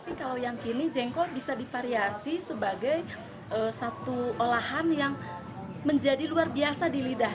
tapi kalau yang kini jengkol bisa divariasi sebagai satu olahan yang menjadi luar biasa di lidah